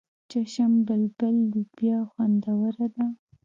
چشم بلبل لوبیا خوندوره ده.